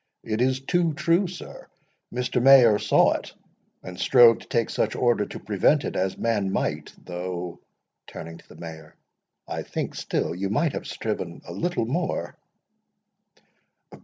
It is too true, sir—Master Mayor saw it, and strove to take such order to prevent it as man might, though," turning to the Mayor, "I think still you might have striven a little more."